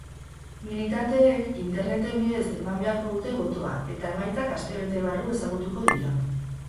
Militanteek internet bidez eman beharko dute botoa eta emaitzak astebete barru ezagutuko dira.